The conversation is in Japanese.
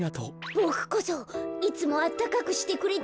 ボクこそいつもあったかくしてくれてありがとう。